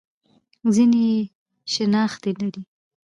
ځینې یې شنختې لري.